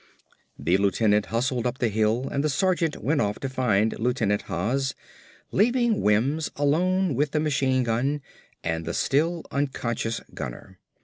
The lieutenant hustled up the hill and the sergeant went off to find Lieutenant Haas, leaving Wims alone with the machine gun and the still unconscious gunner.